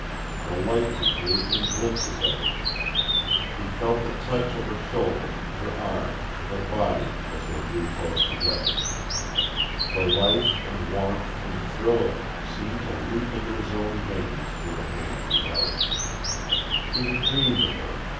The lightning gave him glimpses of her. He felt the touch of her shoulder, her arm, her body, as they drew close together. The life and warmth and thrill of her seemed to leap into his own veins through the hand he held. He had dreamed of her.